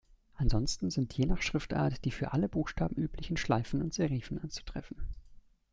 Ansonsten sind je nach Schriftart die für alle Buchstaben üblichen Schleifen und Serifen anzutreffen.